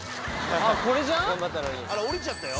これじゃん？